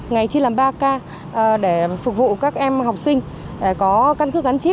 ngày chiến làm ba k để phục vụ các em học sinh có căn cức gắn chip